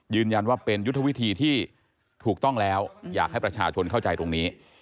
ยืนยันว่าเป็นยุทธวิธีที่ถูกต้องแล้วอยากให้ประชาชนเข้าใจตรงนี้